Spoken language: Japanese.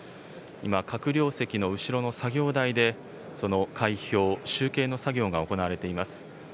今、閣僚席の後ろの作業台で、その開票・集計の作業が行われています。